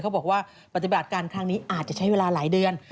เขาบอกว่าปฏิบัติการครั้งนี้อาจจะใช้เวลาหลายเดือน